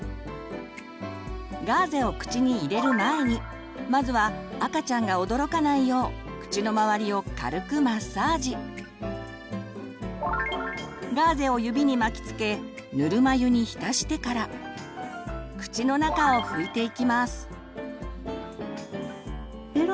ガーゼを口に入れる前にまずは赤ちゃんが驚かないようガーゼを指に巻きつけぬるま湯に浸してから口の中を拭いていきます。